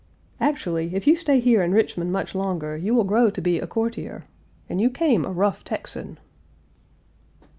" "Actually, if you stay here in Richmond much longer you will grow to be a courtier. And you came a rough Texan."